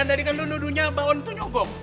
ngehek kan tadi lo nunurnya bawon tuh nyogok